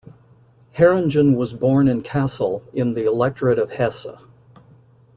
Heeringen was born in Kassel in the Electorate of Hesse.